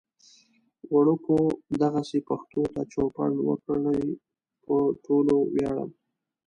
وړکو دغسې پښتو ته چوپړ وکړئ. پو ټولو وياړم